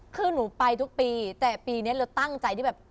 คือหนูไปทุกปีแต่ปีนี้เราตั้งใจที่แบบ